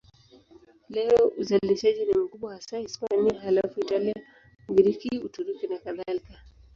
Leo uzalishaji ni mkubwa hasa Hispania, halafu Italia, Ugiriki, Uturuki nakadhalika.